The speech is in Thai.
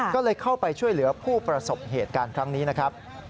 ก็เลยเข้าไปช่วยเหลือผู้ประสบเหตุการณ์ครั้งนี้นะครับ